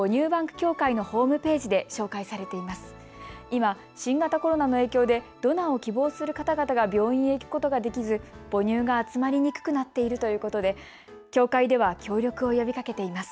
今、新型コロナの影響でドナーを希望する方々が病院へ行くことができず母乳が集まりにくくなっているということで協会では協力を呼びかけています。